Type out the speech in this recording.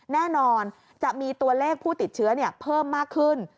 แน่นอนจะมีตัวเลขผู้ติดเชื้อเพิ่มมากขึ้น